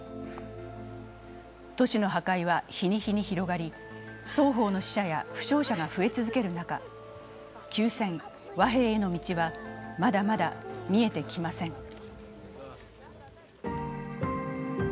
都市の破壊は日に日に広がり、双方の死者や負傷者が増え続ける中、休戦・和平への道は、まだまだ見えてきません。